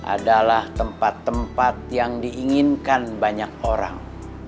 adalah tempat tempat yang diinginkan banyak orang